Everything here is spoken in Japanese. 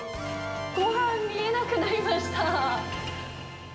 ごはん、見えなくなりました。